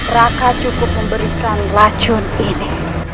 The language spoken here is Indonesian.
raka cukup memberikan racun ini